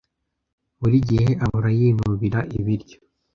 Buri gihe ahora yinubira ibiryo.